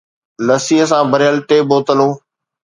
لسي سان ڀريل ٽي بوتلون